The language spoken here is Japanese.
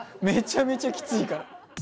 めちゃめちゃキツイから。